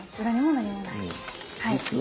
裏にも何もない。